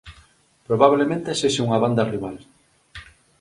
Probablemente sexa unha banda rival...